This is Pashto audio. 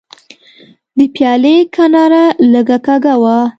د پیالې کناره لږه کږه وه.